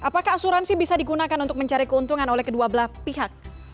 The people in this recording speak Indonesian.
apakah asuransi bisa digunakan untuk mencari keuntungan oleh kedua belah pihak